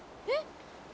えっ？